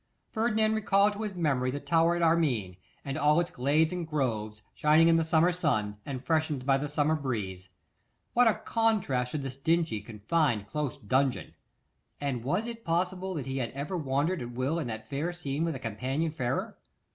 Ferdinand recalled to his memory the tower at Armine, and all its glades and groves, shining in the summer sun, and freshened by the summer breeze. What a contrast to this dingy, confined, close dungeon! And was it possible that he had ever wandered at will in that fair scene with a companion fairer?